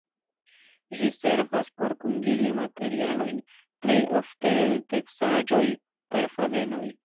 Ĝi servas por kunligi materialojn plej ofte el teksaĵoj per fadenoj.